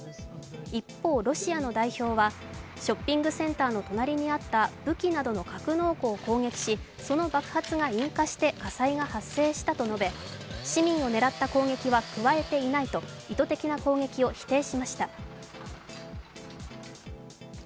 一方、ロシアの代表は、ショッピングセンターの隣にあった武器などの格納庫を攻撃しその爆発が引火して火災が発生したと述べ市民を狙った攻撃は加えていないと意図的な攻撃を否定しました。